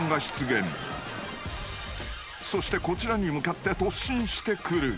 ［そしてこちらに向かって突進してくる］